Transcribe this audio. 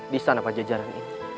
di sana pajajaran ini